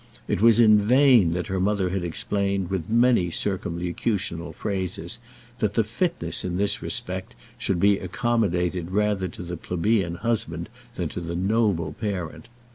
It was in vain that her mother had explained with many circumlocutional phrases, that the fitness in this respect should be accommodated rather to the plebeian husband than to the noble parent.